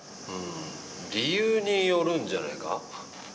うん理由によるんじゃないか？